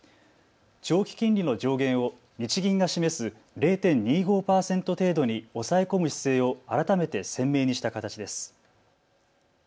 長期金利の上限を日銀が示す０．２５％程度に抑え込む姿勢を改めて鮮明にした形です。